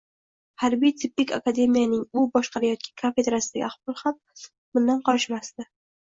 Harbiy-tibbiy akademiyaning u boshqarayotgan kafedrasidagi ahvol ham bundan qolishmasdi